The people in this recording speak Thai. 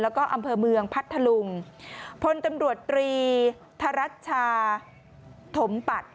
แล้วก็อำเภอเมืองพัทธลุงพลตำรวจตรีธรัชชาถมปัตย์